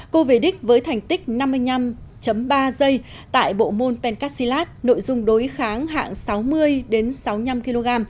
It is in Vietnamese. cô về đích với thành tích năm mươi năm ba giây tại bộ môn pencastilat nội dung đối kháng hạng sáu mươi sáu mươi năm kg